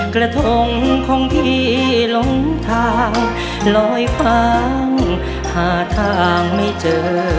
กระทงของพี่ลงทางลอยฟ้างหาทางไม่เจอ